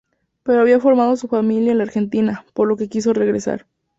Pero había formado su familia en la Argentina, por lo que quiso regresar.